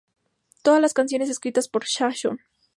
Todas las canciones escritas por Saxon.